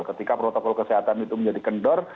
ketika protokol kesehatan itu menjadi kendor